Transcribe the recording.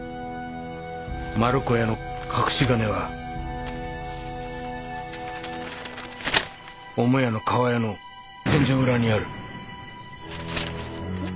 丸子屋の隠し金は母屋の厠の天井裏にある。